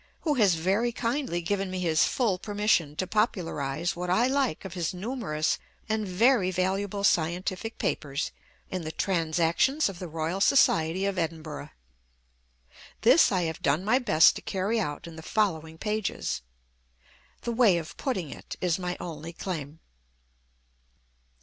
who has very kindly given me his full permission to popularise what I like of his numerous and very valuable scientific papers in the Transactions of the Royal Society of Edinburgh. This I have done my best to carry out in the following pages. "The way of putting it" is my only claim.